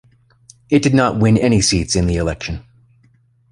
It did not win any seats in the election.